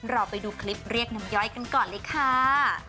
รอไปดูคลิปเรียกน้ำย่อยกันก่อนเลยค่ะ